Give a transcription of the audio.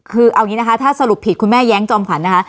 คือเอาอย่างนี้นะคะถ้าสรุปผิดคุณแม่แย้งจอมขวัญนะคะ